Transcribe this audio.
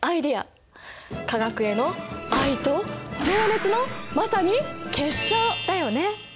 化学への愛と情熱のまさに結晶だよね！